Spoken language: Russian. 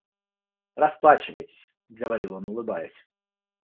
Расплачивайтесь, — говорил он улыбаясь.